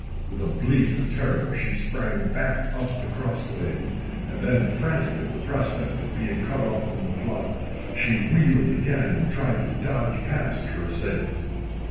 With a bleat of terror she sprang back up the cross glade; and then, frantic at the prospect of being cut off from the flock, she wheeled again and tried to dodge past her assailant.